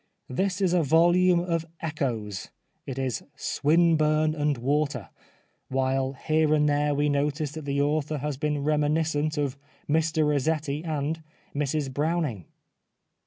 This is a volume of echoes, it is Swinburne and water, while here and there we notice that the author has been reminiscent of Mr Rossetti and Mrs Browning."